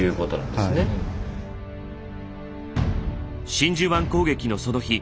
真珠湾攻撃のその日。